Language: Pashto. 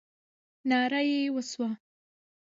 ناره یې وسوه.